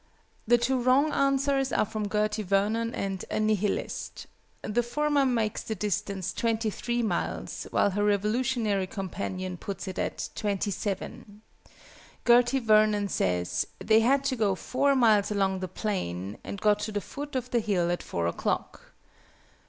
The two wrong answers are from GERTY VERNON and A NIHILIST. The former makes the distance "23 miles," while her revolutionary companion puts it at "27." GERTY VERNON says "they had to go 4 miles along the plain, and got to the foot of the hill at 4 o'clock."